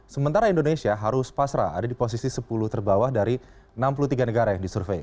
sementara indonesia harus pasrah ada di posisi sepuluh terbawah dari enam puluh tiga negara yang disurvey